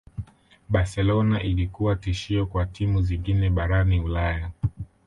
Barcelona ilikuwa tishio kwa timu zingine barani ulaya